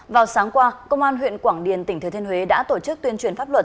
vào sáng qua công an huyện quảng điền tỉnh thừa thiên huế đã tổ chức tuyên truyền pháp luật